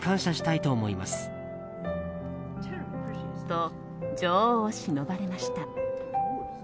と、女王をしのばれました。